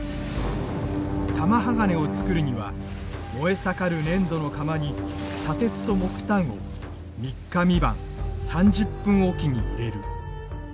玉鋼をつくるには燃え盛る粘土の釜に砂鉄と木炭を３日３晩３０分置きに入れる。